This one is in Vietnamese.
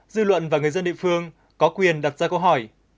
dư luận và người dân địa phương có quyền đặt ra câu hỏi